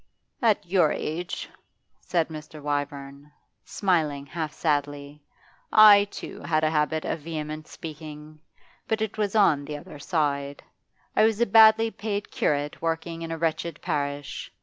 'At your age,' said Mr. Wyvern, smiling half sadly, 'I, too, had a habit of vehement speaking, but it was on the other side. I was a badly paid curate working in a wretched parish.